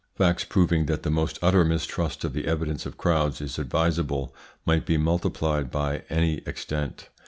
Facts proving that the most utter mistrust of the evidence of crowds is advisable might be multiplied to any extent.